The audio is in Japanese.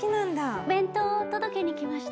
お弁当を届けに来ました。